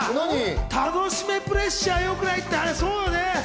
楽しめプレッシャーよくないって、あれそうよね。